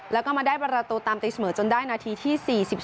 แล้วก็มาได้ประตูตามตีเสมอจนได้นาทีที่๔๒